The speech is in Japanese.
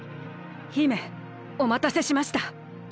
姫おまたせしました。